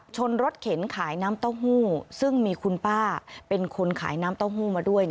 ชนรถเข็นขายน้ำเต้าหู้ซึ่งมีคุณป้าเป็นคนขายน้ำเต้าหู้มาด้วย